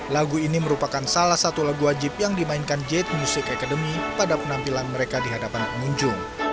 lagu ini merupakan salah satu lagu wajib yang dimainkan jate music academy pada penampilan mereka di hadapan pengunjung